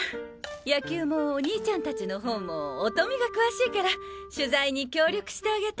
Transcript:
野球もお兄ちゃん達の方も音美が詳しいから取材に協力してあげて。